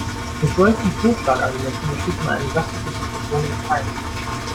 Mit solchen Totschlagargumenten erstickt man eine sachliche Diskussion im Keim.